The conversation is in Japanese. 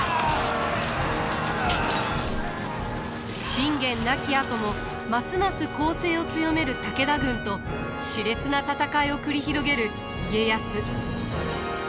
信玄亡きあともますます攻勢を強める武田軍としれつな戦いを繰り広げる家康。